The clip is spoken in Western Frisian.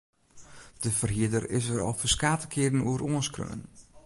De ferhierder is der al ferskate kearen oer oanskreaun.